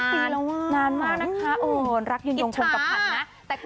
ปีแล้วว่ะนานมากนะคะรักยืนยงคนกับพันธนะ